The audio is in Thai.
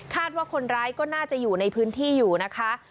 ว่าคนร้ายก็น่าจะอยู่ในพื้นที่อยู่นะคะ